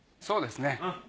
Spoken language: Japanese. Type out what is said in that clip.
そうですね。